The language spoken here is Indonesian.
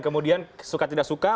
kemudian suka tidak suka